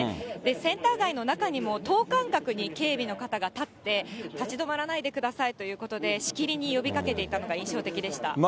センター街の中にも等間隔に警備の方が立って、立ち止まらないでくださいということで、しきりに呼びかけていたのが印象的でした。